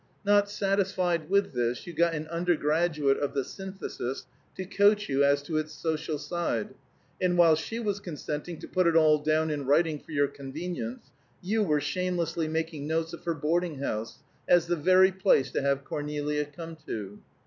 Not satisfied with this, you got an undergraduate of the Synthesis to coach you as to its social side, and while she was consenting to put it all down in writing for your convenience, you were shamelessly making notes of her boarding house, as the very place to have Cornelia come to.